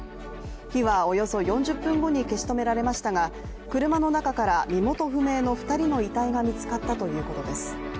火はおよそ４０分後に消し止められましたが車の中から身元不明の２人の遺体が見つかったということです。